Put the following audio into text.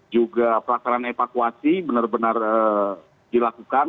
juga pelaksanaan evakuasi benar benar dilakukan